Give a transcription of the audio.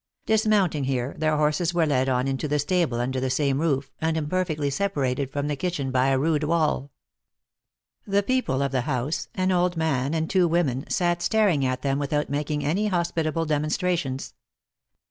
Dis mounting here, their horses were led on into the stable under the same roof, and imperfectly separated from the kitchen by a rude wall. The people of the house, an old man and two women, sat staring at them without making any hos 6* 138 THE ACTRESS IN HIGH LIFE. pitable demonstrations.